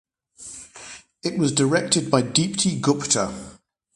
It was directed by Deepti Gupta.